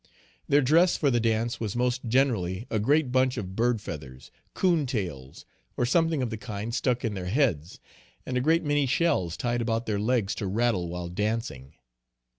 Their dress for the dance was most generally a great bunch of bird feathers, coon tails, or something of the kind stuck in their heads, and a great many shells tied about their legs to rattle while dancing.